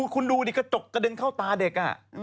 คุณดูดิกระจกกระเด็นเข้าตาเด็ก